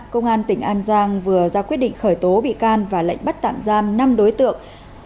công an tỉnh an giang vừa ra quyết định khởi tố bị can và lệnh bắt tạm giam năm đối tượng